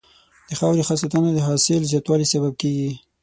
د خاورې ښه ساتنه د حاصل زیاتوالي سبب کېږي.